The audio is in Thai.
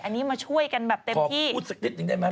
อันนี้มาช่วยกันแบบเต็มที่พูดสักนิดหนึ่งได้ไหม